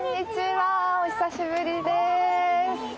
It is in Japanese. お久しぶりです。